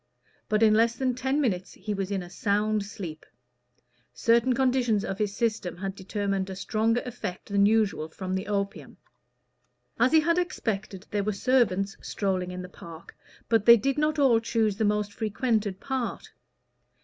But in less than ten minutes he was in a sound sleep. Certain conditions of his system had determined a stronger effect than usual from the opium. As he had expected, there were servants strolling in the park, but they did not all choose the most frequented part.